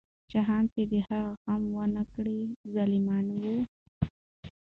شاهان چې د هغې غم ونه کړ، ظالمان وو.